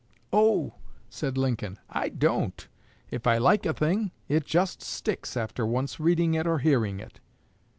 "Oh," said Lincoln, "I don't. If I like a thing, it just sticks after once reading it or hearing it."